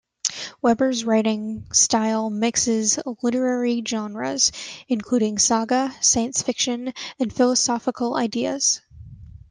Werber's writing style mixes literary genres, including saga, science fiction and philosophical ideas.